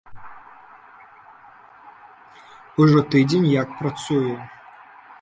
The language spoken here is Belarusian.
Ужо тыдзень як працую.